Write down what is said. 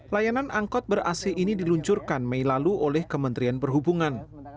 layanan angkot ber ac ini diluncurkan mei lalu oleh kementerian perhubungan